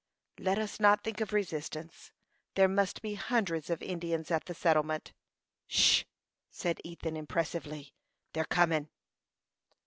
"Let us not think of resistance. There must be hundreds of Indians at the settlement." "'Sh!" said Ethan, impressively. "They're comin'."